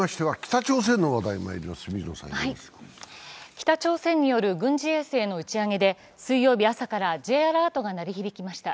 北朝鮮による軍事衛星の打ち上げで水曜日朝からＪアラートが鳴り響きました。